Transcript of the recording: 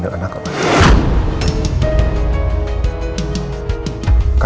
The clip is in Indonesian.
helin itu hanya